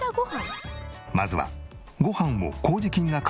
まずは。